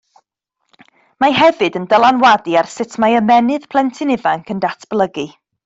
Mae hefyd yn dylanwadu ar sut mae ymennydd plentyn ifanc yn datblygu.